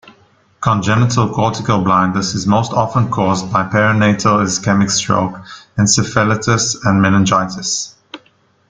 Congenital cortical blindness is most often caused by perinatal ischemic stroke, encephalitis, and meningitis.